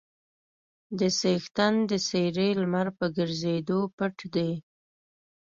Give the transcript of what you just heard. د څښتن د څېرې لمر په ګرځېدو پټ دی.